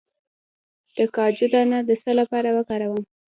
د کاجو دانه د څه لپاره وکاروم؟